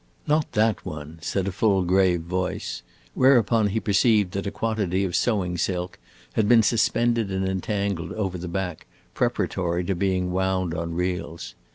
"Not that one," said a full, grave voice; whereupon he perceived that a quantity of sewing silk had been suspended and entangled over the back, preparatory to being wound on reels.